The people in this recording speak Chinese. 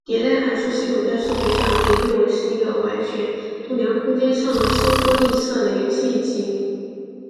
迭代函数系统在数学上可以认为是一个完全度量空间上的收缩映射的有限集。